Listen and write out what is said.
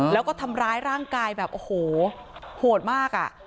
แล้วก็ทำร้ายร่างกายแบบโอ้โหโหดมากอ่ะ